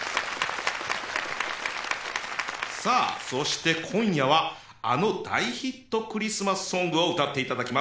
さあそして今夜はあの大ヒットクリスマスソングを歌っていただきます